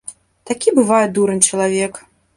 Такі бывае дурань чалавек.